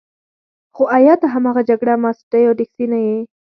خو ایا ته هماغه جګړه مار سټیو ډیکسي نه یې